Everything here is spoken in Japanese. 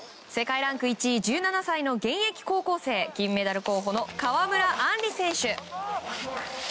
世界ランク１位１７歳の現役高校生金メダル候補の川村あんり選手。